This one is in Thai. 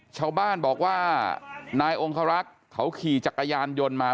ชาวบ้านบอกว่านายองคารักษ์เขาขี่จักรยานยนต์มา